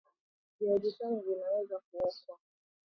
Viazi vitamu vinaweza kuokwa